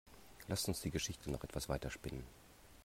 Lasst uns die Geschichte noch etwas weiter spinnen.